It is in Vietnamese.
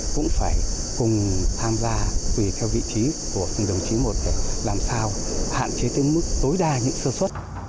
cũng phải cùng tham gia tùy theo vị trí của từng đồng chí một để làm sao hạn chế tới mức tối đa những sơ xuất